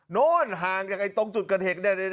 โน้นห่างจากตรงจุดเกิดเหตุ